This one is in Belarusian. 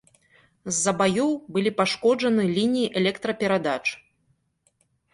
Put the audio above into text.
З-за баёў былі пашкоджаны лініі электраперадач.